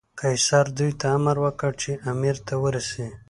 قیصر دوی ته امر وکړ چې امیر ته ورسي.